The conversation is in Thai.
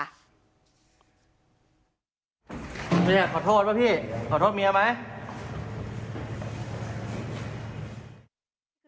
เนี่ยขอโทษป่ะพี่ขอโทษเมียไหม